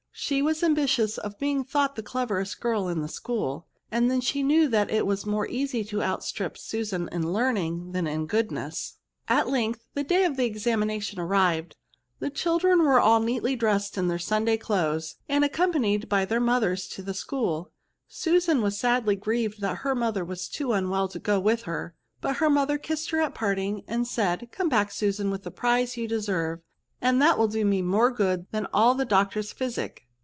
She was ambi tious of being thought the cleverest girl in the school ; and then she knew that it was more easy to outstrip Susan in learning than in goodness. At length the day of examination arrived. The children were all neatly dressed in their Sunday clothes, and accompanied by their mo thers to the school. Susan was sadly grieved that her mother was too unwell to go with her. But her mother kissed her at parting, and said, '' Come back, Susan, with the prize you deserve, and that will do me more good than VERBS. 241 all the doctor's physic."